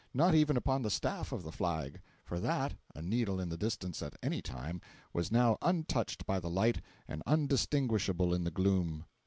Not even upon the staff of the flag—for that, a needle in the distance at any time, was now untouched by the light and undistinguishable in the gloom.